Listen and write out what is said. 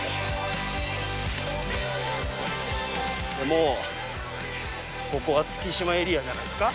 もうここは月島エリアじゃないですか。